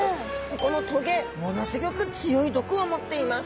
この棘ものすギョく強い毒を持っています。